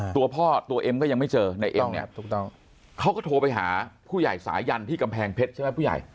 ตัวพ่อตัวเองก็ยังไม่เจอนายเอ็มเนี่ยเขาก็โทรไปหาผู้ใหญ่สายันที่กำแพงเพชรใช่ไหมผู้ใหญ่